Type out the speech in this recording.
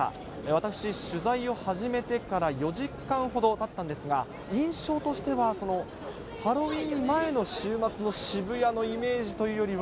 私、取材を始めてから４時間ほどたったんですが、印象としては、ハロウィーン前の週末の渋谷のイメージというよりは、